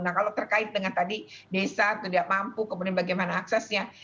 nah kalau terkait dengan tadi desa tidak mampu kemudian bagaimana aksesnya